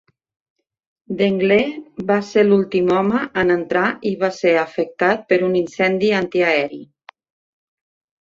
Dengler va ser l'últim home en entrar i va ser afectat per un incendi antiaeri.